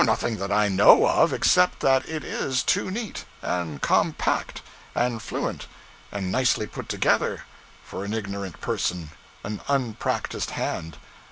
'Nothing that I know of, except that it is too neat, and compact, and fluent, and nicely put together for an ignorant person, an unpractised hand.